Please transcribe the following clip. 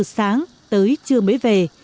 sáng tới trưa mới về